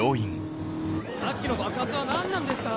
さっきの爆発は何なんですか？